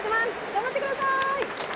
頑張ってください！